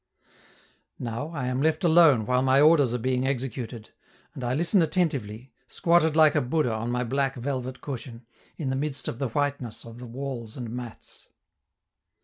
Now I am left alone while my orders are being executed, and I listen attentively, squatted like a Buddha on my black velvet cushion, in the midst of the whiteness of the walls and mats.